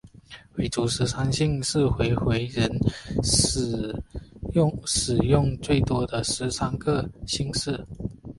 回族十三姓是回回人使用最多的十三个姓氏。